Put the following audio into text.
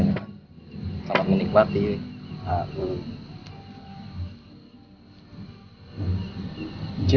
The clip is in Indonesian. terima kasih banyak